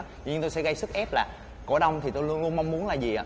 thì tôi sẽ gây sức ép là cổ đông thì tôi luôn mong muốn là gì